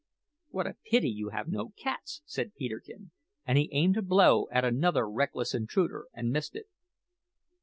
"What a pity you have no cats!" said Peterkin; and he aimed a blow at another reckless intruder, and missed it.